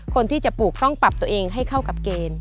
คนที่จะปลูกต้องปรับตัวเองให้เข้ากับเกณฑ์